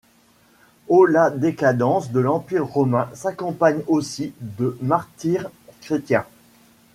Au la décadence de l'Empire romain s'accompagne aussi de martyres chrétiens.